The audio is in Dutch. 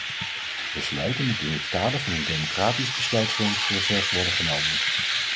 Besluiten moeten in het kader van een democratisch besluitvormingsproces worden genomen.